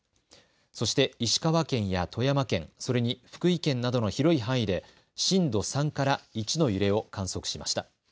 そして石川県や富山県、それに福井県などの広い範囲で震度３から１の揺れを観測しました。